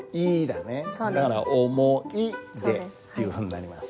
だから「思い出」っていうふうになります。